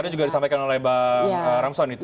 tadi juga disampaikan oleh bang ramson itu